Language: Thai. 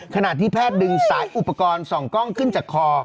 ขณะที่แพทย์ดึงสายอุปกรณ์ส่องกล้องขึ้นจากคอ